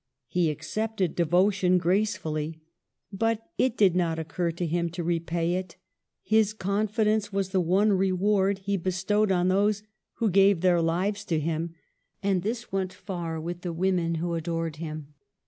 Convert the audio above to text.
He accepted devotion gracefully, but it did not occur to him to repay it. His confidence was the one reward he be stowed on those who gave their lives to him ; and this went far with the women who adored him.